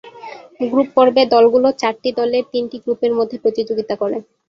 Group পর্বে দলগুলো চারটি দলের তিনটি গ্রুপের মধ্যে প্রতিযোগিতা করে।